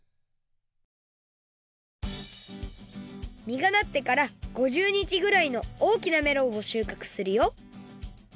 みがなってから５０にちぐらいのおおきなメロンを収穫するよ